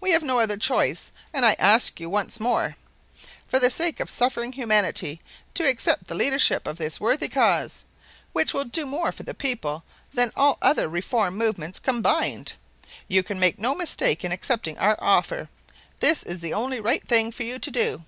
We have no other choice and I ask you once more, for the sake of suffering humanity, to accept the leadership of this worthy cause which will do more for the people than all other reform movements combined. You can make no mistake in accepting our offer. This is the only right thing for you to do."